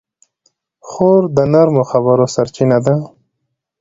خور د نرمو خبرو سرچینه ده.